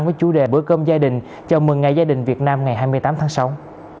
với chủ đề bữa cơm gia đình chào mừng ngày gia đình việt nam ngày hai mươi tám tháng sáu